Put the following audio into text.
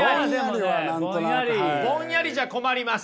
ぼんやりじゃ困ります。